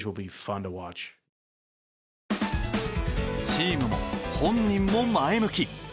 チームも本人も前向き。